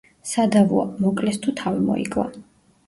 სადავოა, მოკლეს, თუ თავი მოიკლა.